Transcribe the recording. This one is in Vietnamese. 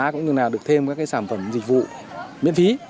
cũng như là được thêm các sản phẩm dịch vụ miễn phí